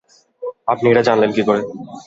আপনি এটা জানলেন কী করে?